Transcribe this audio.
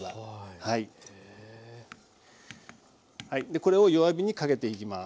これを弱火にかけていきます。